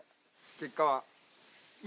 結果は。